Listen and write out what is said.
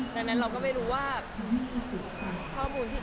แต่วันแรกที่ลงเนี้ย